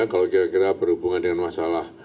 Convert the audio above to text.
kalau kira kira berhubungan dengan masalah